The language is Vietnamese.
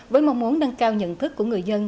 với mong muốn nâng cao nhận thức của người dân